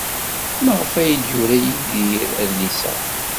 Maɣef ay d-yura Yidir adlis-a?